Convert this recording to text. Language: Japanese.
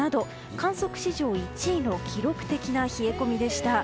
観測史上１位の記録的な冷え込みでした。